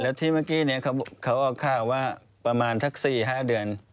แล้วที่เมื่อกี้เขาออกข่าวว่าประมาณสัก๔๕เดือน